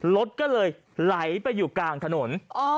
รถก็เลยไหลไปอยู่กลางถนน